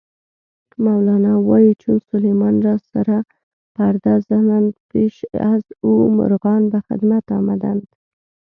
مولانا وایي: "چون سلیمان را سرا پرده زدند، پیشِ او مرغان به خدمت آمدند".